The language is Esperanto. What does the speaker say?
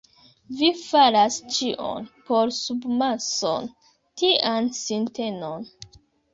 Vi faras ĉion por submasoni tian sintenon.